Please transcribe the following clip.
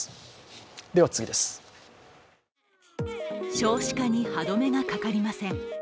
少子化に歯止めがかかりません。